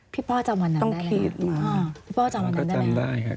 พี่พ่อจำวันนั้นได้ไหมครับพี่พ่อจำวันนั้นได้ไหมครับต้องคิดมา